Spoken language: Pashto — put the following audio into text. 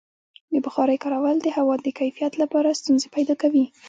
د بخارۍ کارول د هوا د کیفیت لپاره ستونزې پیدا کوي.